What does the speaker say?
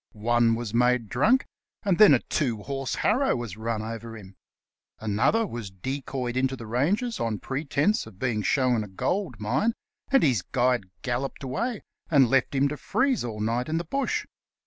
One was made drunk, and then a two horse harrow was run over him ; another was decoyed into the ranges on pretence of being shown a gold mine, and his guide galloped away and left him to freeze all night in the bush.